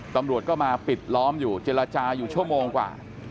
ตำรวจก็มาปิดล้อมอยู่เจรจาอยู่ชั่วโมงกว่า